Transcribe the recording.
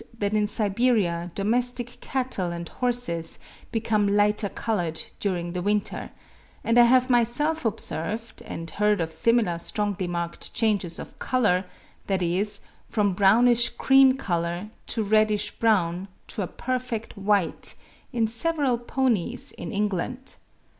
'), that in Siberia domestic cattle and horses become lighter coloured during the winter; and I have myself observed, and heard of similar strongly marked changes of colour, that is, from brownish cream colour or reddish brown to a perfect white, in several ponies in England.